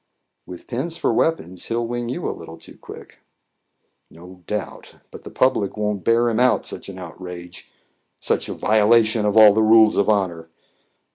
"With pens for weapons he will wing you a little too quick." "No doubt. But the public won't bear him out such an outrage such a violation of all the rules of honour."